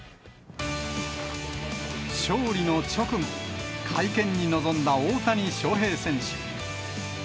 勝利の直後、会見に臨んだ大谷翔平選手。